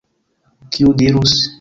Kiu dirus?